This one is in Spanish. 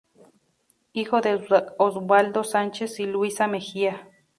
Hijo de Oswaldo Sánchez y Luisa Mejía.